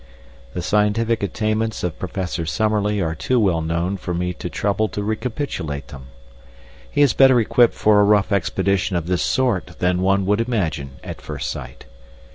The scientific attainments of Professor Summerlee are too well known for me to trouble to recapitulate them. He is better equipped for a rough expedition of this sort than one would imagine at first sight.